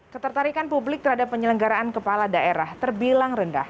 ketertarikan publik terhadap penyelenggaraan kepala daerah terbilang rendah